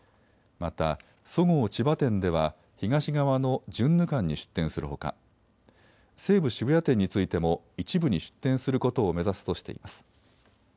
また、そごう千葉店では東側のジュンヌ館に出店するほか、西武渋谷店についても一部に出店することを目指すとしています。